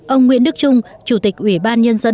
ông nguyễn đức trung chủ tịch ủy ban nhân dân